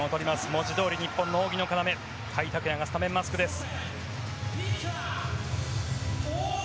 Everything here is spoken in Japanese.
文字どおり日本の扇の要甲斐拓也がスタメンマスクです。